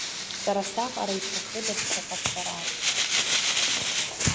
Сара саҟара изҭахыда ԥхьаҟацара.